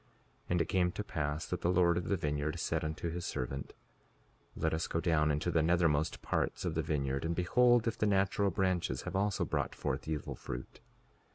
5:38 And it came to pass that the Lord of the vineyard said unto his servant: Let us go down into the nethermost parts of the vineyard, and behold if the natural branches have also brought forth evil fruit.